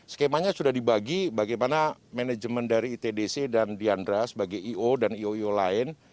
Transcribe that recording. skemanya sudah dibagi bagaimana manajemen dari itdc dan diandra sebagai io dan ioo lain